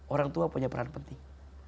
orang tua punya peran penting